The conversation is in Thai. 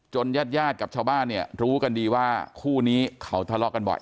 ญาติญาติกับชาวบ้านเนี่ยรู้กันดีว่าคู่นี้เขาทะเลาะกันบ่อย